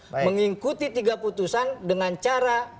mengikuti tiga putusan dengan cara